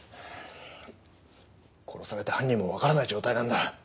殺されて犯人もわからない状態なんだ。